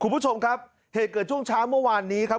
คุณผู้ชมครับเหตุเกิดช่วงเช้าเมื่อวานนี้ครับ